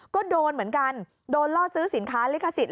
ก็โดนเหมือนกันโดนล่อซื้อสินค้าลิขสิทธิ